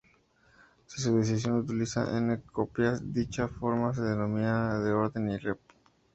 Si su disección utiliza "n" copias, dicha forma se denomina de orden irrep-"n".